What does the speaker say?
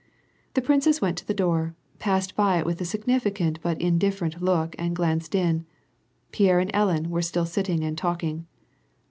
"' The princess went to the door, passed by it with a signifi cant but indifferent look, and glanced in. Pierre and Ellen were still sitting and talking.